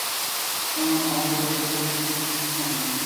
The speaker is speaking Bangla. এমন অভদ্রতা করছি কেন?